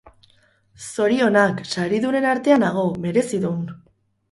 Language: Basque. Zorionak, saridunen artean hago! Merezi dun!